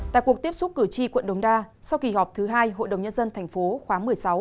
tại cuộc tiếp xúc cử tri quận đồng đa sau kỳ họp thứ hai hội đồng nhân dân thành phố khóa một mươi sáu